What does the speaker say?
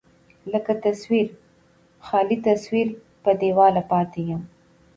لکه تصوير، خالي تصوير په دېواله پاتې يم